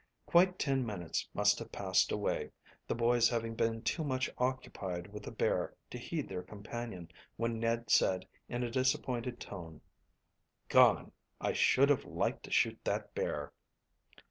Quite ten minutes must have passed away, the boys having been too much occupied with the bear to heed their companion, when Ned said in a disappointed tone "Gone! I should have liked to shoot that bear."